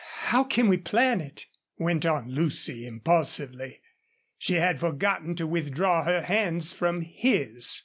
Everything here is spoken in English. "How can we plan it?" went on Lucy, impulsively. She had forgotten to withdraw her hands from his.